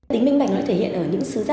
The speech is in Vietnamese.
tính minh bạch nó thể hiện ở những sứ giả